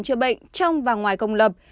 chữa bệnh trong và ngoài công lập